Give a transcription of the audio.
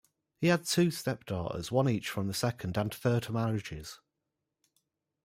He had two stepdaughters, one each from the second and third marriages.